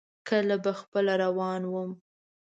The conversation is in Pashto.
کله به خپله روان ووم.